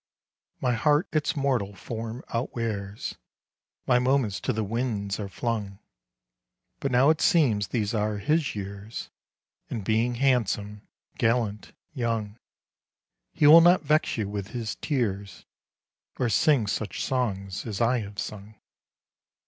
78 EPITHALAMIUM My heart its mortal form outwears, My moments to the winds are flung But now it seems these are his years, And being handsome, gallant, young, He will not vex you with his tears Or sing such songs as I have sung.